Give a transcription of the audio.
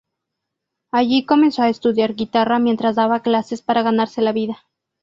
Allí comenzó a estudiar guitarra mientras daba clases para ganarse la vida.